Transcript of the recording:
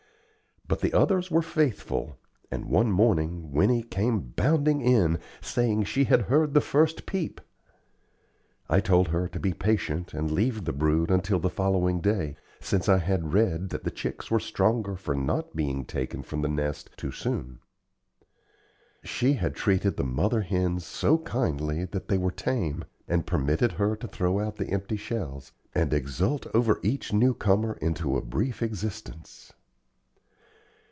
But the others were faithful, and one morning Winnie came bounding in, saying she had heard the first "peep." I told her to be patient and leave the brood until the following day, since I had read that the chicks were stronger for not being taken from the nest too soon. She had treated the mother hens so kindly that they were tame, and permitted her to throw out the empty shells, and exult over each new comer into a brief existence.